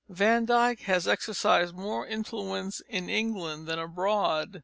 Van Dyck has exercised more influence in England than abroad.